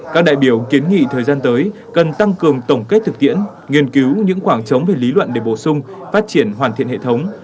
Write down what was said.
các đại biểu kiến nghị thời gian tới cần tăng cường tổng kết thực tiễn nghiên cứu những khoảng trống về lý luận để bổ sung phát triển hoàn thiện hệ thống